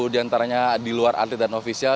satu diantaranya di luar antre dan ofisial